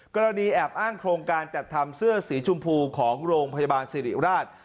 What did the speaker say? แอบอ้างโครงการจัดทำเสื้อสีชมพูของโรงพยาบาลสิริราช